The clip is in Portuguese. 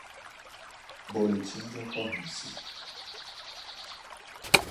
Boletim de ocorrência